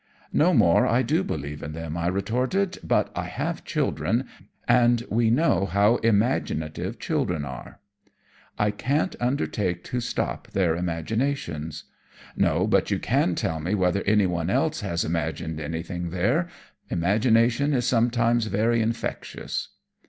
"No more I do believe in them," I retorted, "but I have children, and we know how imaginative children are." "I can't undertake to stop their imaginations." "No, but you can tell me whether anyone else has imagined anything there. Imagination is sometimes very infectious."